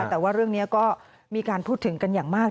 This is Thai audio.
แต่ว่าเรื่องนี้ก็มีการพูดถึงกันอย่างมาก